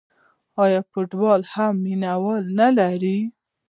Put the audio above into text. آیا فوتبال هم مینه وال نلري؟